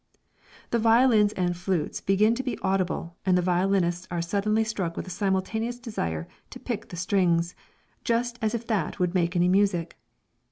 The violins and flutes begin to be audible and the violinists are suddenly struck with a simultaneous desire to pick the strings, just as if that would make any music.